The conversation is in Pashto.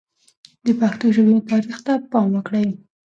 د پښتو ژبې تاریخ ته پام وکړئ.